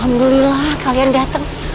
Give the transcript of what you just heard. alhamdulillah kalian datang